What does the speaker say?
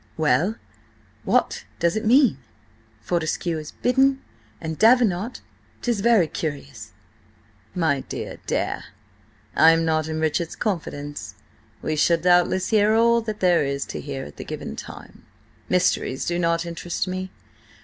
"Well, what does it mean? Fortescue is bidden, and Davenant. 'Tis very curious." "My dear Dare, I am not in Richard's confidence. We shall doubtless hear all that there is to hear at the given time. Mysteries do not interest me.